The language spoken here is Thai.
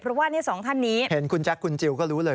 เพราะว่านี่สองท่านนี้เห็นคุณแจ๊คคุณจิลก็รู้เลย